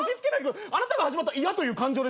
あなたが始まった嫌という感情でしょ？